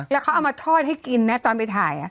แล้วเขาเอามาทอดให้กินนะตอนไปถ่าย